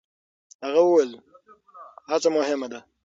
هغه وویل، هڅه مهمه ده.